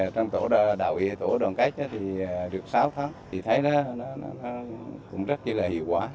tàu đoàn kết cũng rất là hiệu quả